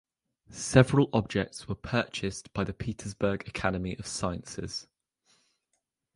Several objects were purchased by the Petersburg Academy of Sciences.